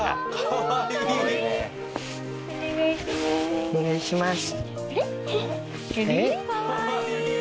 お願いします。